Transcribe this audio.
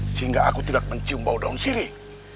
sehingga aku tidak mencium bau daun sirik